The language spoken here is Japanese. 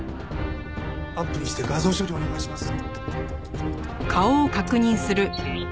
アップにして画像処理お願いします。